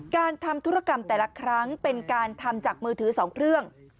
การทำธุรกรรมแต่ละครั้งเป็นการทำจากมือถือ๒เครื่อง